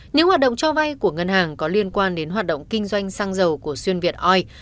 những hoạt động cho vay của ngân hàng có liên quan đến hoạt động kinh doanh xăng dầu của xuyên việt oi